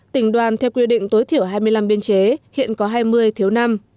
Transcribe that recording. tỉnh đoàn theo quy định tối thiểu hai mươi năm biên chế hiện có hai mươi thiếu năm